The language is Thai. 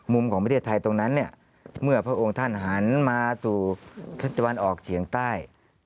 ของประเทศไทยตรงนั้นเนี่ยเมื่อพระองค์ท่านหันมาสู่ทศตะวันออกเฉียงใต้